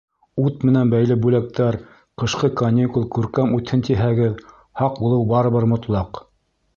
Ут менән бәйле бүләктәр Ҡышҡы каникул күркәм үтһен тиһәгеҙ, һаҡ булыу барыбер мотлаҡ.